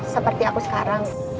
seperti aku sekarang